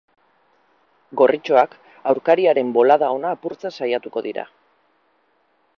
Gorritxoak aurkariaren bolada ona apurtzen saiatuko dira.